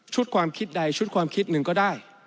ความคิดใดชุดความคิดหนึ่งก็ได้